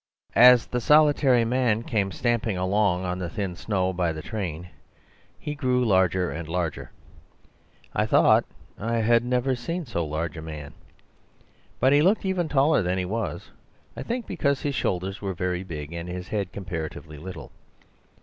As the solitary man came stamping along on the thin snow by the train he grew larger and larger; I thought I had never seen so large a man. But he looked even taller than he was, I think, because his shoulders were very big and his head comparatively little.